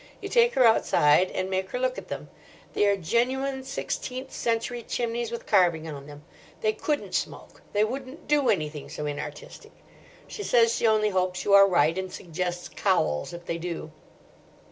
You take her outside and make her look at them. They are genuine sixteenth century chimneys, with carving on them. They couldn't smoke. They wouldn't do anything so inartistic. She says she only hopes you are right, and suggests cowls, if they do.